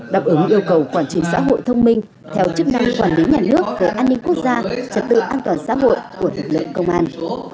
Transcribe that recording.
đáp ứng yêu cầu quản trị xã hội thông minh theo chức năng quản lý nhà nước về an ninh quốc gia trật tự an toàn xã hội của lực lượng công an